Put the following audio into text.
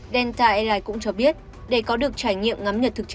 delta airline cũng cho biết để có được trải nghiệm ngắm nhật thực tế